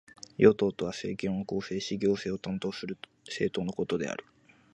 与党とは、政権を構成し行政を担当する政党のことである。